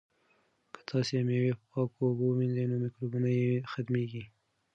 که تاسي مېوې په پاکو اوبو ومینځئ نو مکروبونه یې ختمیږي.